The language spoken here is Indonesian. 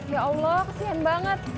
ya allah kesian banget